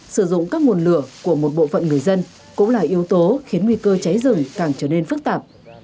sử dụng các nguồn lửa của một bộ phận người dân cũng là yếu tố khiến nguy cơ cháy rừng càng trở nên phức tạp